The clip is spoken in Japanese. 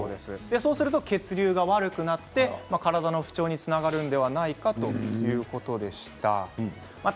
そうすると血流が悪くなって体の不調につながるのではないかということでした。